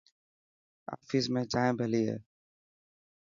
آفيس ۾ چائنا ڀلي هي.